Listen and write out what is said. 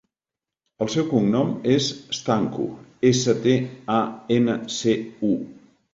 El seu cognom és Stancu: essa, te, a, ena, ce, u.